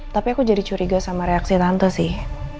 tapi aku jadi curiga sama reaksi tante sih